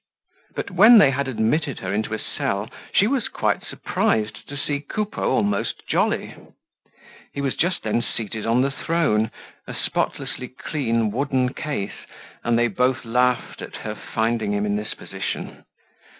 But when they had admitted her into a cell she was quite surprised to see Coupeau almost jolly. He was just then seated on the throne, a spotlessly clean wooden case, and they both laughed at her finding him in this position.